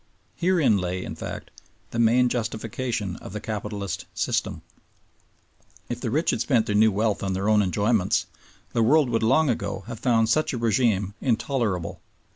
Herein lay, in fact, the main justification of the Capitalist System. If the rich had spent their new wealth on their own enjoyments, the world would long ago have found such a rÈgime intolerable.